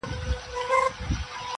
ماشومانو چي تلکه ایښودله -